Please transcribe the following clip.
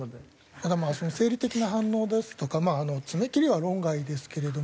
だから生理的な反応ですとかまあ爪切りは論外ですけれども。